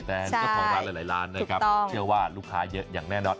เชื่อว่าลูกค้าเยอะอย่างแน่นอน